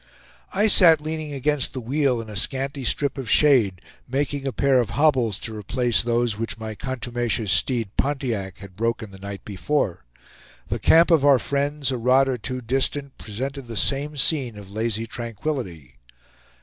I sat leaning against the wheel in a scanty strip of shade, making a pair of hobbles to replace those which my contumacious steed Pontiac had broken the night before. The camp of our friends, a rod or two distant, presented the same scene of lazy tranquillity.